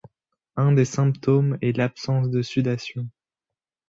Un des symptômes est l'absence de sudation.